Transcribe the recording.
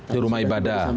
di rumah ibadah